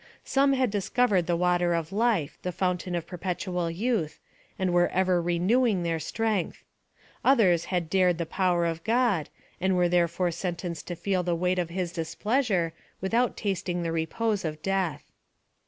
Some had discovered the water of life, the fountain of perpetual youth, and were ever renewing their strength. Others had dared the power of God, and were therefore sentenced to feel the weight of His displeasure, without tasting the repose of death.